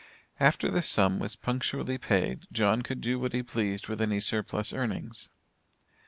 After this sum was punctually paid, John could do what he pleased with any surplus earnings.